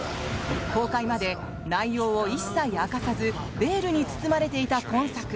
公開まで内容を一切明かさずベールに包まれていた今作。